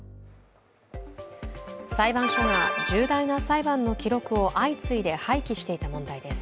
裁判所が重大な裁判の記録を相次いで廃棄していた問題です。